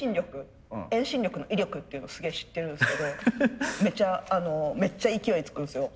遠心力の威力っていうのをすげえ知ってるんすけどめっちゃ勢いつくんすよ。